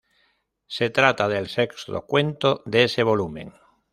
Se trata del sexto cuento de ese volumen.